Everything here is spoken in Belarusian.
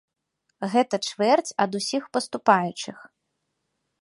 Гэта чвэрць ад усіх паступаючых.